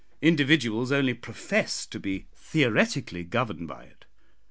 Individuals only profess to be theoretically governed by it.